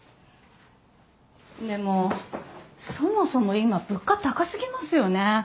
でもそもそも今物価高すぎますよね。